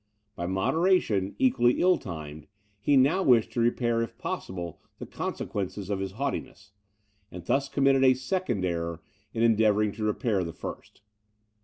By moderation, equally ill timed, he now wished to repair if possible the consequences of his haughtiness; and thus committed a second error in endeavouring to repair the first.